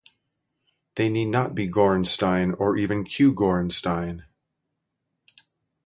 They need not be Gorenstein or even Q-Gorenstein.